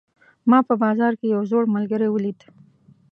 ما په بازار کې یو زوړ ملګری ولید